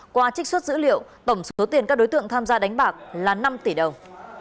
qua trích xuất dữ liệu tổng số tiền các đối tượng tham gia đánh bạc là năm tỷ đồng